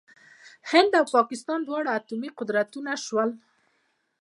هند او پاکستان دواړه اټومي قدرتونه شول.